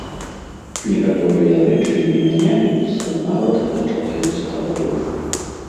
Некаторыя рэчы не мяняюцца нават за чатырыста гадоў.